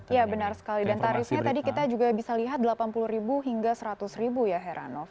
ya benar sekali dan tarifnya tadi kita juga bisa lihat delapan puluh hingga rp seratus ya heranov